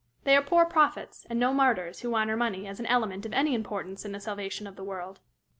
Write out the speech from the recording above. They are poor prophets, and no martyrs, who honor money as an element of any importance in the salvation of the world.